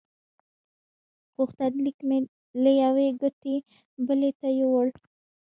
غوښتنلیک مې له یوې کوټې بلې ته یووړ.